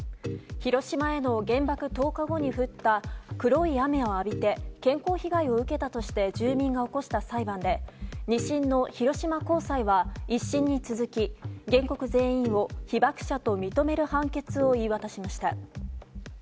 広島への原爆投下後に降った黒い雨を浴びて健康被害を受けたとして住民が起こした裁判で２審の広島高裁は１審に続き原告全員を被爆者と認める判決を言い渡しました。